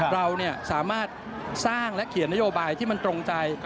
เราสามารถสร้างและเขียนนโยบายที่มันตรงใจ